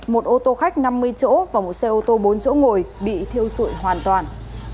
một ô tô khách năm mươi chỗ và một xe ô tô bốn chỗ ngồi bị thiêu dụi hoàn toàn